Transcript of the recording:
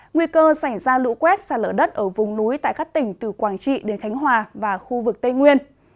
nguy cơ xảy ra lũ quét xa lở đất ở vùng núi tại các tỉnh từ quảng trị đến khánh hòa và khu vực tây nguyên